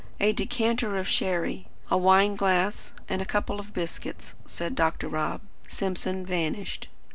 "A decanter of sherry, a wine glass, and a couple of biscuits," said Dr. Rob. Simpson vanished.